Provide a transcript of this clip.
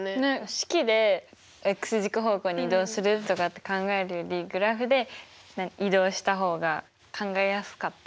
式で軸方向に移動するとかって考えるよりグラフで移動した方が考えやすかった。